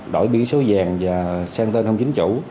đổi biển số vàng và sang tên không chính chủ